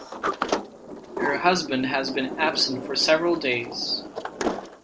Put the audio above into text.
Her husband has been absent for several days.